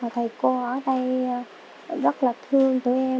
thầy cô ở đây rất là thương tụi em lo cho tụi em